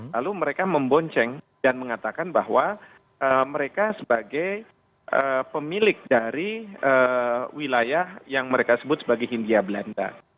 lalu mereka membonceng dan mengatakan bahwa mereka sebagai pemilik dari wilayah yang mereka sebut sebagai hindia belanda